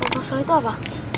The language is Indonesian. proposal itu apa